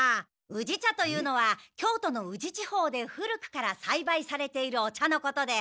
宇治茶というのは京都の宇治地方で古くからさいばいされているお茶のことで。